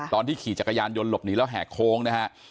ขี่จักรยานยนต์หลบหนีแล้วแหกโค้งนะฮะ